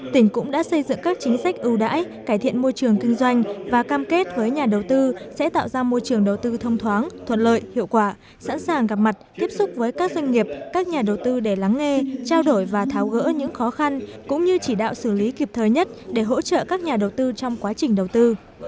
tỉnh cũng đã xây dựng các chính sách ưu đãi cải thiện môi trường kinh doanh và cam kết với nhà đầu tư sẽ tạo ra môi trường đầu tư thông thoáng thuận lợi hiệu quả sẵn sàng gặp mặt tiếp xúc với các doanh nghiệp các nhà đầu tư để lắng nghe trao đổi và tháo gỡ những khó khăn cũng như chỉ đạo xử lý kịp thời nhất để hỗ trợ các nhà đầu tư trong quá trình đầu tư